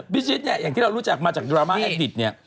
พิชิตเนี่ยอย่างที่เรารู้จักมาจากดราม่าแห่งดิตเนี่ย